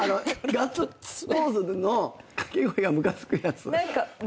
ガッツポーズの掛け声がムカつくやつ。